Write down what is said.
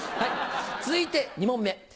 続いて２問目。